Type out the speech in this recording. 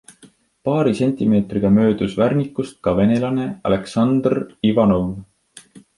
Paari sentimeetriga möödus Värnikust ka venelane Aleksandr Ivanov.